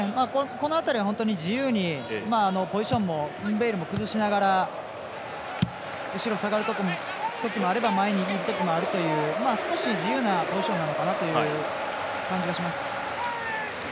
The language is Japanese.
この辺りは自由にポジションも崩しながら後ろ下がる時もあれば前にいる時もあるという少し自由なポジションなのかなという感じがします。